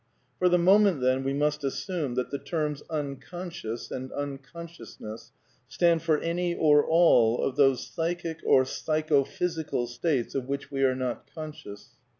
For the moment, then, we must assume that the terms Unconscious and Unconsciousness stand for any or all of those psychic or psychophysical states of which we are not conscious.